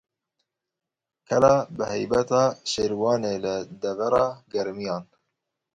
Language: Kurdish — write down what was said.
Kela bi heybet a Şêrwanê li devera Germiyan.